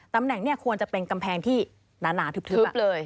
ตำแหน่งเนี่ยควรจะเป็นกำแพงที่หนาทึบเลย